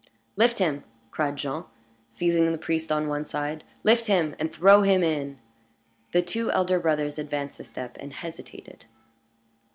"Lift him!" cried Jean, seizing the priest on one side. "Lift him, and throw him in!" The two elder brothers advanced a step, and hesitated.